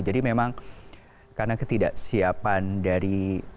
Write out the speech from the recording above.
jadi memang karena ketidaksiapan dari